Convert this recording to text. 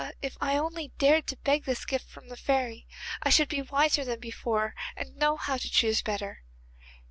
if I only dared to beg this gift from the fairy, I should be wiser than before and know how to choose better.